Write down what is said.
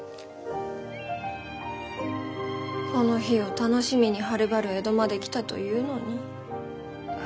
この日を楽しみにはるばる江戸まで来たというのに。